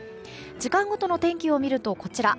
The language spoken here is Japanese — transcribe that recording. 時間ごとの天気を見るとこちら。